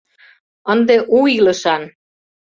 Ынде у илышан!